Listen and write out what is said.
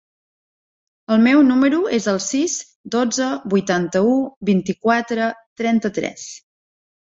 El meu número es el sis, dotze, vuitanta-u, vint-i-quatre, trenta-tres.